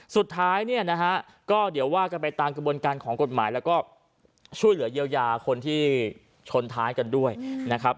สุดท้ายเนี่ยนะฮะก็เดี๋ยวว่ากันไปตามกระบวนการของกฎหมายแล้วก็ช่วยเหลือเยียวยาคนที่ชนท้ายกันด้วยนะครับ